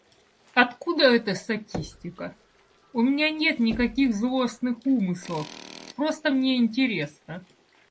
Откуда эта статистика? У меня нет никаких злостных умыслов, просто мне интересно.